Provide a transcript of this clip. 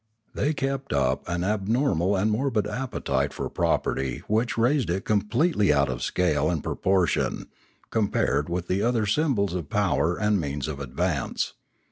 They kept up an abnormal and morbid appetite for property which raised it completely out of scale and proportion, com pared with the other symbols of power and means of advance.